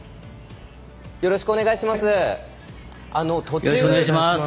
よろしくお願いします。